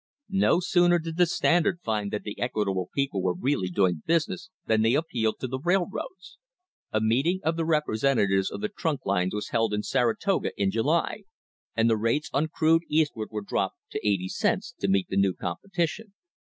No sooner did the Standard find that the Equitable people were really doing business than they appealed to the railroads. A meeting of the representatives of the trunk lines was held at Saratoga in July, and the rates on crude Eastward were dropped to eighty cents to meet the new competition.